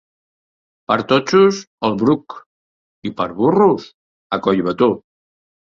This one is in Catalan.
Per totxos al Bruc, i per burros a Collbató.